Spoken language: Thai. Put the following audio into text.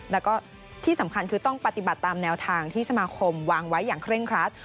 แล้วก็ที่สำคัญคือต้องปฏิบัติตามแนวทางที่สมาคมวางไว้อย่างเคร่งครัด